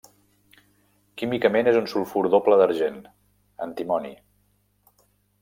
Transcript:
Químicament és un sulfur doble d'argent, antimoni.